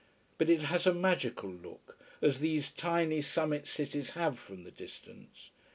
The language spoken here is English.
But it has a magical look, as these tiny summit cities have from the distance.